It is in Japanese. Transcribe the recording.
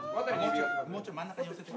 もうちょい真ん中に寄せて。